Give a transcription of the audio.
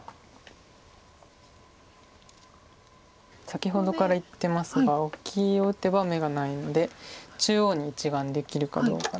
先ほどから言ってますがオキを打てば眼がないので中央に１眼できるかどうか。